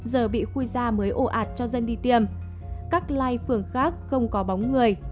giờ bị khui da mới ổ ạt cho dân đi tiêm các lai phường khác không có bóng người